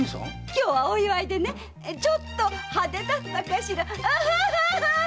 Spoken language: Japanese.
今日はお祝いでねちょっと派手だったかしら！